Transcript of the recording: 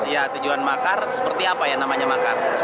ya tujuan makar seperti apa ya namanya makar